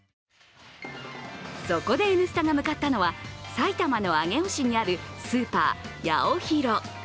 そこで、「Ｎスタ」が向かったのは埼玉の上尾市にあるスーパー、ヤオヒロ。